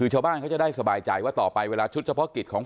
ชาวบ้านเขาจะได้สบายใจว่าต่อไปเวลาชุดเฉพาะกิจของ